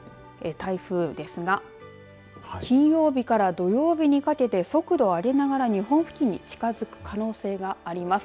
台風ですが金曜日から土曜日にかけて速度を上げながら日本付近に近づく可能性があります。